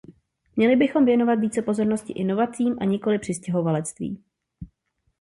Měli bychom věnovat více pozornosti inovacím a nikoliv přistěhovalectví.